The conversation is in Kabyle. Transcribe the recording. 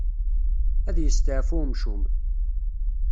Ad yesteɛfu wemcum.